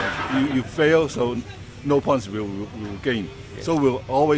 jika kita gagal tidak ada poin yang akan kita dapatkan